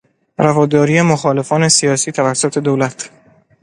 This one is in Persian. رواداری مخالفان سیاسی توسط دولت